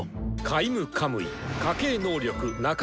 カイム・カムイ家系能力